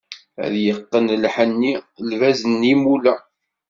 Ad yeqqen lḥenni, lbaz n yimula.